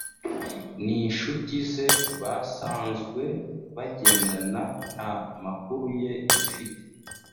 n’inshuti ze basanzwe bagendana nta makuru ye zifite